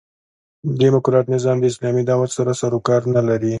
ډيموکراټ نظام د اسلامي دعوت سره سر و کار نه لري.